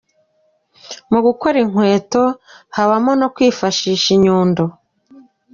Mu gukora inkweto habamo no kwifashisha inyundo.